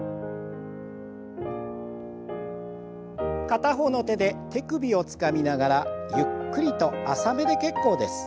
片方の手で手首をつかみながらゆっくりと浅めで結構です。